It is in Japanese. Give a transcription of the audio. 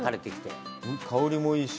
香りもいいし。